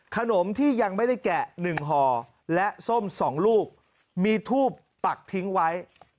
ขนมที่ยังไม่ได้แกะ๑ห่อและส้ม๒ลูกมีทูบปักทิ้งไว้